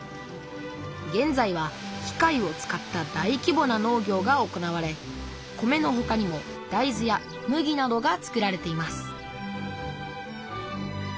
げんざいは機械を使った大きぼな農業が行われ米のほかにもだいずや麦などが作られています